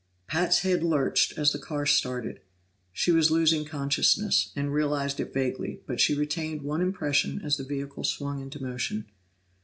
Pat's head lurched as the car started; she was losing consciousness, and realized it vaguely, but she retained one impression as the vehicle swung into motion.